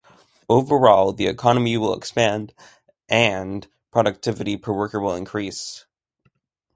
Overall, the economy will expand, "and" productivity per worker will increase.